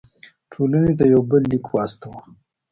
ټولنې ته یو بل لیک واستاوه.